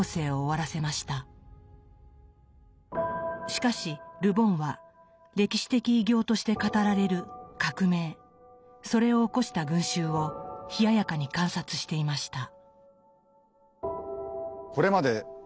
しかしル・ボンは「歴史的偉業」として語られる革命それを起こした群衆を冷ややかに観察していました。